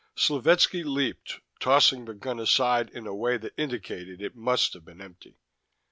Slovetski leaped, tossing the gun aside in a way that indicated it must have been empty.